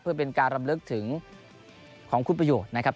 เพื่อเป็นการรำลึกถึงของคุณประโยชน์นะครับ